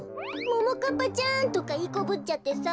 ももかっぱちゃんとかいいこぶっちゃってさ。